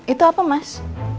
itu apa mas